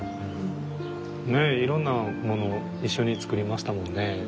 ねえいろんなものを一緒に作りましたもんね。